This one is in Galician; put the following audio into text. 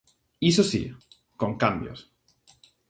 Iso si, con cambios.